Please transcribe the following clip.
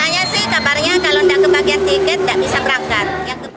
katanya sih kapalnya kalau nggak kebagian tiket nggak bisa berangkat